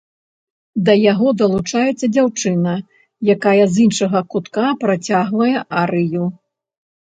Да яго далучаецца дзяўчына, якая з іншага кутка працягвае арыю.